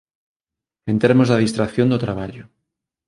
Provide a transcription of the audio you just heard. En termos da distracción do traballo